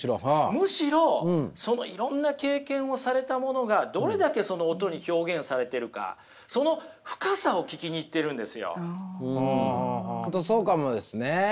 むしろそのいろんな経験をされたものがどれだけその音に表現されてるかそうかもですね。